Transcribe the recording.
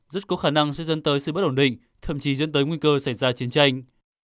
rất có khả năng sẽ dân tới sự bất ổn định thậm chí dẫn tới nguy cơ xảy ra chiến tranh